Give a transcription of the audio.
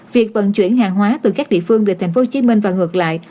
việc vận chuyển hàng hóa từ các địa phương về tp hcm và ngược lại